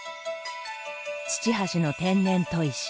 土橋の天然砥石。